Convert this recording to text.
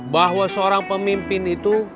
bahwa seorang pemimpin itu